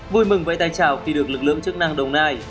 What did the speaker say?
vui mừng với tay trào khi được lực lượng chức năng đồng nai